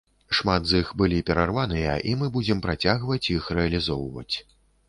Шмат з іх былі перарваныя, і мы будзем працягваць іх рэалізоўваць.